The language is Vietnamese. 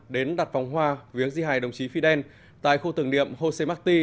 đến đặt vòng hoa viếng di hài đồng chí fidel tại khu tưởng niệm jose marti